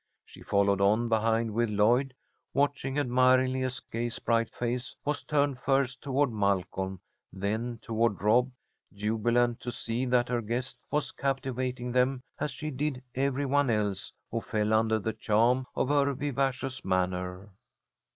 She followed on behind with Lloyd, watching admiringly as Gay's bright face was turned first toward Malcolm, then toward Rob, jubilant to see that her guest was captivating them as she did every one else who fell under the charm of her vivacious manner.